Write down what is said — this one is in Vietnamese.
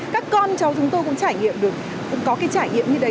các con cháu chúng tôi cũng trải nghiệm được có cái trải nghiệm như đấy